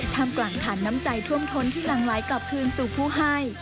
กลางฐานน้ำใจท่วมท้นที่หลังไหลกลับคืนสู่ผู้ให้